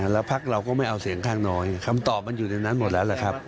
แล้วพักเราก็ไม่เอาเสียงข้างน้อยคำตอบมันอยู่ในนั้นหมดแล้วล่ะครับ